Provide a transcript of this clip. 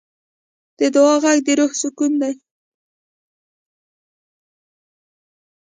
د دعا غږ د روح سکون دی.